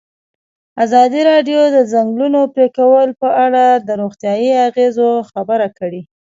ازادي راډیو د د ځنګلونو پرېکول په اړه د روغتیایي اغېزو خبره کړې.